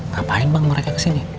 ngapain bang mereka kesini